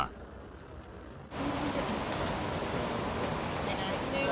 お願いします